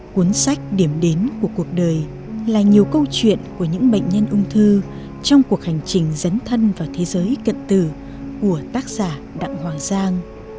cuốn sách điểm đến của cuộc đời là nhiều câu chuyện của những bệnh nhân ung thư trong cuộc hành trình dấn thân vào thế giới cận tử của tác giả đặng hoàng giang